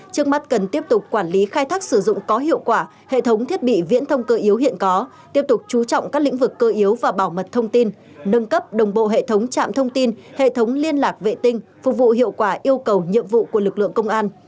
trước mắt cần tiếp tục quản lý khai thác sử dụng có hiệu quả hệ thống thiết bị viễn thông cơ yếu hiện có tiếp tục chú trọng các lĩnh vực cơ yếu và bảo mật thông tin nâng cấp đồng bộ hệ thống trạm thông tin hệ thống liên lạc vệ tinh phục vụ hiệu quả yêu cầu nhiệm vụ của lực lượng công an